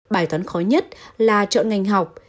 bài toán khó nhất là chọn ngành học